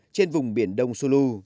trên vùng biển đông sulu